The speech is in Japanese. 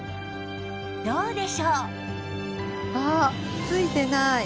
どうでしょう？